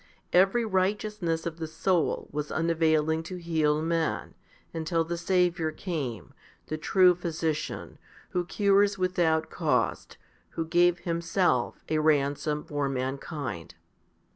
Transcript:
Every righteousness of the soul was unavailing to heal man, until the Saviour came, the true Physician, who cures with out cost, who gave Himself a ransom for mankind.